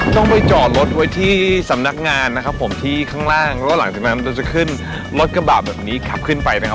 ต้องไปจอดรถไว้ที่สำนักงานนะครับผมที่ข้างล่างแล้วหลังจากนั้นเราจะขึ้นรถกระบาดแบบนี้ขับขึ้นไปนะครับ